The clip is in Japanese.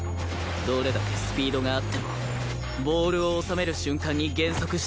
どれだけスピードがあってもボールを収める瞬間に減速してしまう